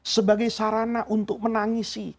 sebagai sarana untuk menangisi